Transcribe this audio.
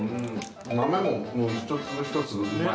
豆も一粒一粒うまい。